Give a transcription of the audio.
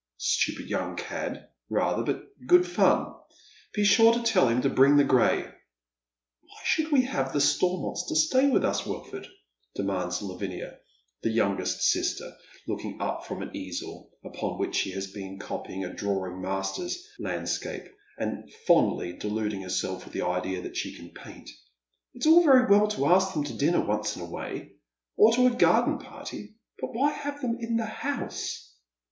" Stupid young cad, rather, but good fun. Be sure you tell him to bring the gray." " Wliy should we have the Stonnonts to stay with us, Wil ford ?" demands Lavinia, the younger sister, looking up fi om an easel, upon which she has been copying a drawing master's landscape, and fondly deluding herself with the idea that she can paint. " It's all very well to ask them to dinner once in a way, or to a garden party, but why have them in the house